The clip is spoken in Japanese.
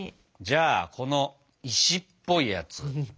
じゃあこの石っぽいやつ。